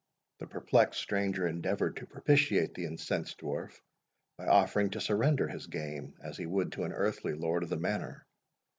The perplexed stranger endeavoured to propitiate the incensed dwarf, by offering to surrender his game, as he would to an earthly Lord of the Manor.